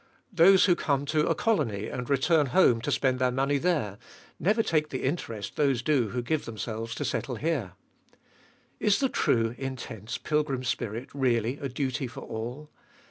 Those who come to a colony, and return home to spend their money there, never take the interest those do who give themselves to settle here. Is the true, intense, pilgrim spirit, really a duty for all